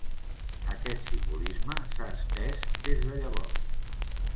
Aquest simbolisme s'ha estès des de llavors.